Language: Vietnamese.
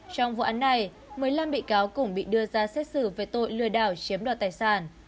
trong vụ án này một mươi năm bị cáo cũng bị đưa ra xét xử về tội lừa đảo chiếm đoạt tài sản